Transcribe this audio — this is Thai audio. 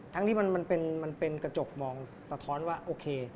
ทั้งที่มันเป็นกระจกมองสะท้อนว่าโอเค